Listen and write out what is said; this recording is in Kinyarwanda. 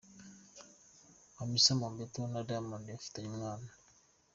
Hamisa Mobetto na Diamond bafitanye umwana.